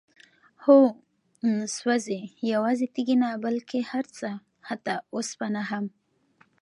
هو؛ سوزي، يوازي تيږي نه بلكي هرڅه، حتى اوسپنه هم